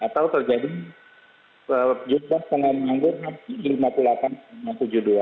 atau terjadi jumlah pengambilan yang lima puluh delapan persen jadi tujuh puluh dua persen